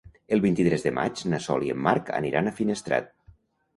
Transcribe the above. El vint-i-tres de maig na Sol i en Marc aniran a Finestrat.